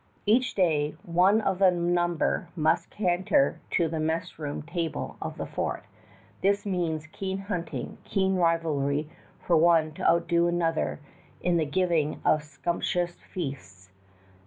Each day one of the number must cater to the messroom table of the fort. This means keen hunting, keen rivalry for one to outdo another in the giving of sumptuous feasts.